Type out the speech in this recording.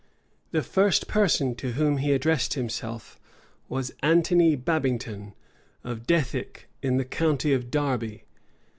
515 The first person to whom he addressed himself was Anthony Babington, of Dethic, in the county of Derby.